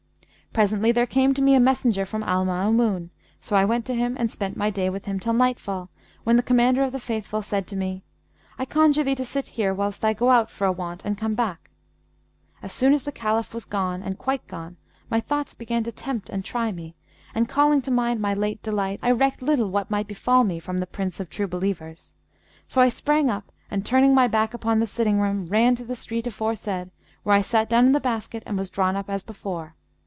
Presently there came to me a messenger from Al Maamun; so I went to him and spent my day with him till nightfall, when the Commander of the Faithful said to me, 'I conjure thee to sit here, whilst I go out for a want and come back.' As soon as the Caliph was gone, and quite gone, my thoughts began to tempt and try me and, calling to mind my late delight, I recked little what might befal me from the Prince of True Believers. So I sprang up and turning my back upon the sitting room, ran to the street aforesaid, where I sat down in the basket and was drawn up as before.